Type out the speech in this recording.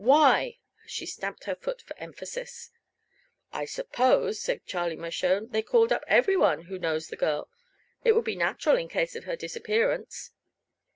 Why?" she stamped her foot for emphasis. "I suppose," said Charlie Mershone, "they called up everyone who knows the girl. It would be natural in case of her disappearance."